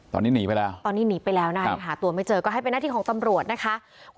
ตอนนี้หนีไปแล้วตอนนี้หนีไปแล้วนะคะยังหาตัวไม่เจอก็ให้เป็นหน้าที่ของตำรวจนะคะ